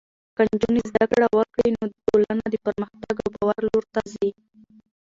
که نجونې زده کړه وکړي، نو ټولنه د پرمختګ او باور لور ته ځي.